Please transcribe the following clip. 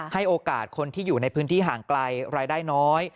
ให้โอกาสคนที่อยู่ในพื้นที่ห่างไกลรายได้น้อย